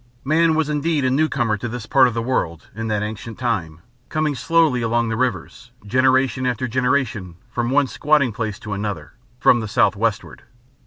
Man was indeed a newcomer to this part of the world in that ancient time, coming slowly along the rivers, generation after generation, from one squatting place to another, from the south westward.